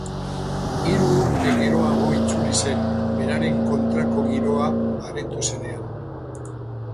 Hiru urte geroago itzuli zen, beraren kontrako giroa baretu zenean.